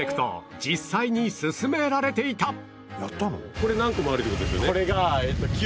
これ何個もあるって事ですよね？